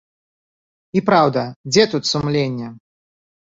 І праўда, дзе тут сумленне?